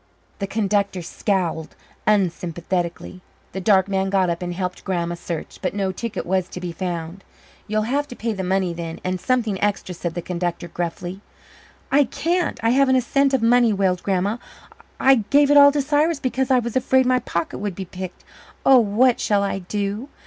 The conductor scowled unsympathetically. The dark man got up and helped Grandma search, but no ticket was to be found. "You'll have to pay the money then, and something extra," said the conductor gruffly. "I can't I haven't a cent of money," wailed Grandma. "I gave it all to Cyrus because I was afraid my pocket would be picked. Oh, what shall I do?"